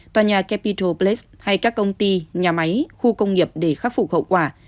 tòa nhà capital place hay các công ty nhà máy khu công nghiệp để khắc phục hậu quả